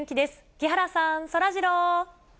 木原さん、そらジロー。